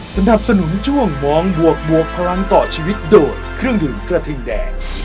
สนับสนุนช่วงมองบวกบวกพลังต่อชีวิตโดยเครื่องดื่มกระทิงแดง